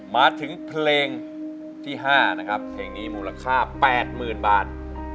มาถึงเพลงที่๕นะครับเพลงนี้มูลค่า๘๐๐๐บาท